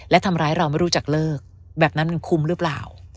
และทำร้ายเราไม่รู้จักเลิกแบบนั้นมันคุ้มหรือเปล่า